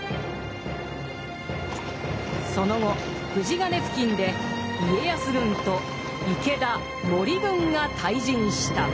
その後富士ヶ根付近で家康軍と池田・森軍が対陣した。